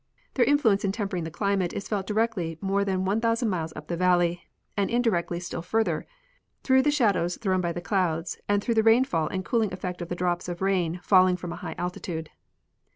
Their influence in tempering the climate is felt directly more than 1,000 miles up the valley, and indi rectly still further, through the shadows thrown by the clouds and through the rainfall and the cooling effect of the drops of rain falling from a high altitude.